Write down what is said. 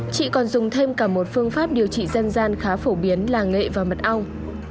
chị còn dùng thêm cả một phương pháp điều trị dân gian khá phổ biến là nghệ và mật ong